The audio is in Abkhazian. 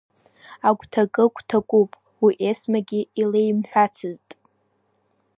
Агәҭакы гәҭакуп, уи Есмагьы илеимҳәацызт.